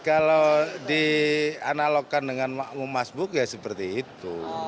ya kalau dianalogkan dengan mak um mas buk ya seperti itu